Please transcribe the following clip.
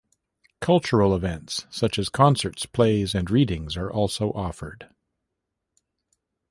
Cultural events such as concerts, plays, and readings are also offered.